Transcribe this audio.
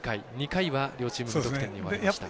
２回は両チーム無得点に終わりました。